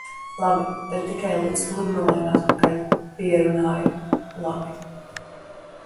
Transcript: Labi, tad tikai līdz pludmalei un atpakaļ. Pierunāju. Labi.